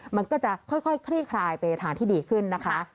มันก็จะค่อยคลี่คลายไปในทางที่ดีขึ้นนะคะ